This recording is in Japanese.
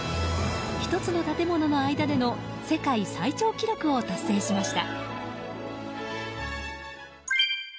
１つの建物の間での世界最長記録を達成しました。